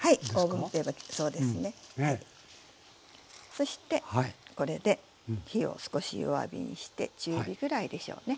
そしてこれで火を少し弱火にして中火ぐらいでしょうね。